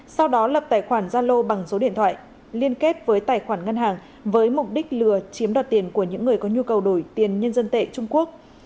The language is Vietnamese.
sau đó lập tài khoản gia lô bằng số điện thoại liên kết với tài khoản ngân hàng với mục đích lừa chiếm đoạt tiền của những người có nhu cầu đổi tiền nhân dân tệ trung quốc